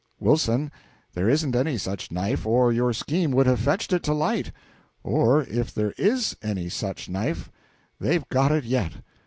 Wilson, there isn't any such knife, or your scheme would have fetched it to light. Or if there is any such knife, they've got it yet.